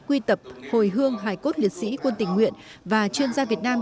quy tập hồi hương hài cốt liệt sĩ quân tình nguyện và chuyên gia việt nam